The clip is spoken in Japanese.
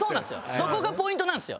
そこがポイントなんですよ。